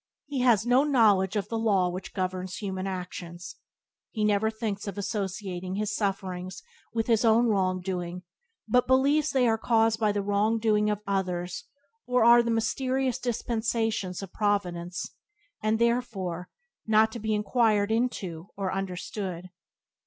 He has no knowledge of the law which governs human actions, and never thinks of associating his sufferings with his own wrongdoing, but believes that they are caused by the wrong doing of others or are the mysterious dispensations of Providence, and therefore not to be inquired into or understood.